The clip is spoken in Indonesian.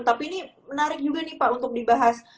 tapi ini menarik juga nih pak untuk dibahas